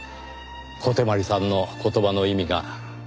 小手鞠さんの言葉の意味が。